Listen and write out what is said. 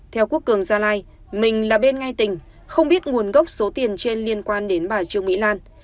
theo quốc cường gia lai mình là bên ngay tình không biết nguồn gốc số tiền trên liên quan đến bà trương mỹ lan